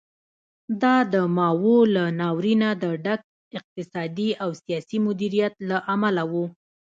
دا د ماوو له ناورینه د ډک اقتصادي او سیاسي مدیریت له امله و.